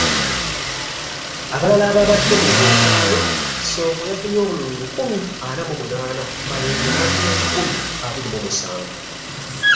Abalala ababadde mu lwokaano, Ssonko yafunye obululu lukumi ana mu munaana, Mayengo n'afuna kikumi abiri mu musanvu.